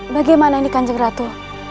bagaimana ini kanjeng ratu